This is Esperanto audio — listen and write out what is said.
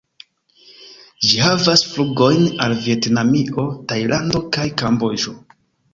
Ĝi havas flugojn al Vjetnamio, Tajlando kaj Kamboĝo.